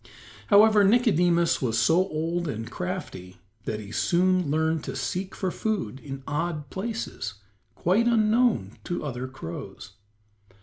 However, Nicodemus was so old and crafty that he soon learned to seek for food in odd places quite unknown to other crows.